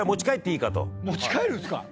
持ち帰るんすか